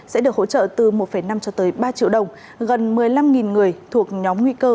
sẽ được hỗ trợ từ một năm cho tới ba triệu đồng gần một mươi năm người thuộc nhóm nguy cơ